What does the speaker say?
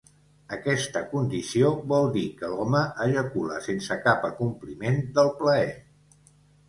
Aquesta condició vol dir que l'home ejacula sense cap acompliment del plaer.